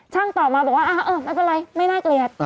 ตอบมาบอกว่าเออไม่เป็นไรไม่น่าเกลียด